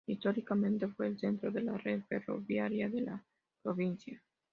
Históricamente, fue el centro de la red ferroviaria de la provincia.